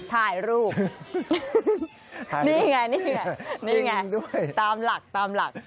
ถ่ายรูปนี่ไงนี่ไงนี่ไงตามหลักตามหลัก